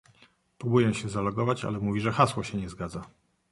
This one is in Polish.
Próbuję się zalogować, ale mówi, że hasło się nie zgadza.